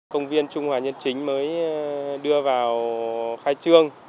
công viên trung hòa nhân chính mới đưa vào khai trương